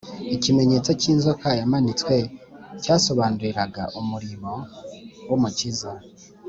Ikimenyetso cy’inzoka yamanitswe cyamusobanuriraga umurimo w’Umukiza